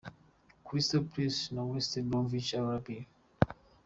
Crystal Palace v West Bromwich Albion.